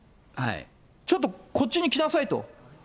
ちょっと、こっちに来なさいと。